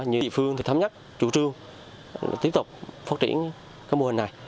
như địa phương thì thấm nhắc chủ trương tiếp tục phát triển cái mô hình này